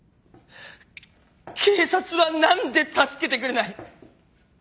警察は何で助けてくれない。